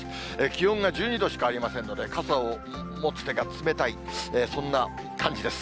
気温が１２度しかありませんので、傘を持つ手が冷たい、そんな感じです。